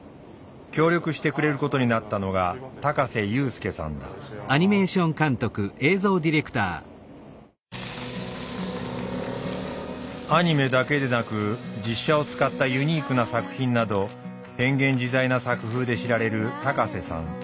協力してくれることになったのがアニメだけでなく実写を使ったユニークな作品など変幻自在な作風で知られる高瀬さん。